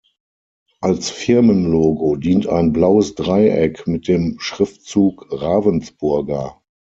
Als Firmenlogo dient ein blaues Dreieck mit dem Schriftzug „Ravensburger“.